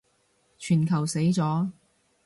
全球死咗